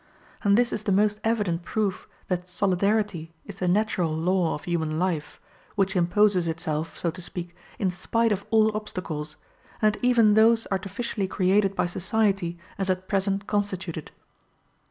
And this is the most evident proof that solidarity is the natural law of human life, which imposes itself, so to speak, in spite of all obstacles, and even those artificially created by society as at present constituted.